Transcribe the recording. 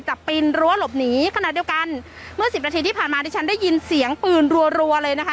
ปีนรั้วหลบหนีขณะเดียวกันเมื่อสิบนาทีที่ผ่านมาดิฉันได้ยินเสียงปืนรัวเลยนะคะ